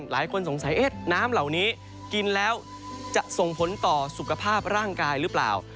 หลายคนสงสัยน้ำเหล่านี้กินแล้วจะส่งผลต่อสุขภาพร่างกายหรือเปล่า